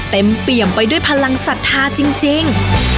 เปี่ยมไปด้วยพลังศรัทธาจริง